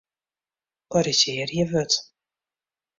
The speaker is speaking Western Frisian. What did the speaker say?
Korrizjearje wurd.